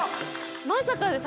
まさかです。